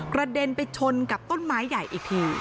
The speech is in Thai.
เด็นไปชนกับต้นไม้ใหญ่อีกที